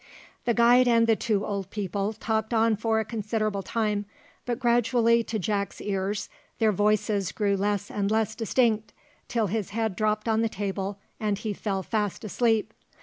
The guide and the two old people talked on for a considerable time; but gradually to Jack's ears their voices grew less and less distinct, till his head dropped on the table, and he fell fast asleep.